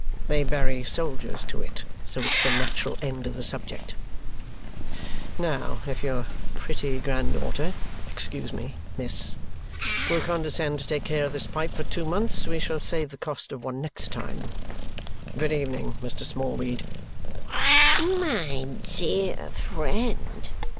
They bury soldiers to it, so it's the natural end of the subject. Now, if your pretty granddaughter excuse me, miss will condescend to take care of this pipe for two months, we shall save the cost of one next time. Good evening, Mr. Smallweed!" "My dear friend!"